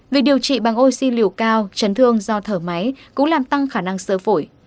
việc điều trị bằng oxy liều cao chấn thương do thở máy cũng làm tăng khả năng sơ phổi